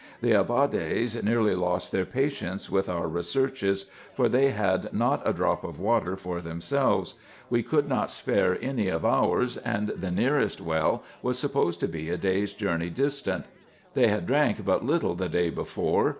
The Ababdes nearly lost their patience with our researches, for they had not a drop of water for themselves ; we could not spare any of ours, and the nearest well was supposed to be a day's journey dis tant. They had drank but little the day before.